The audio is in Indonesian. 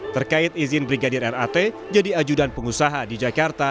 terkait izin brigadir r a t jadi ajudan pengusaha di jakarta